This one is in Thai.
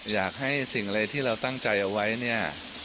อยากให้สิ่งที่เราตั้งใจเอาไว้